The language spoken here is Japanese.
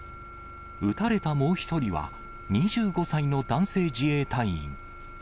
撃たれたもう１人は２５歳の男性自衛隊員。